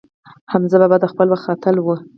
حمزه بابا د خپل وخت اتل و.